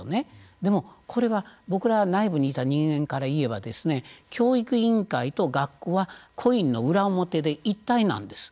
でも、これは僕ら内部にいた人間から言えば教育委員会と学校はコインの裏表で一体なんです。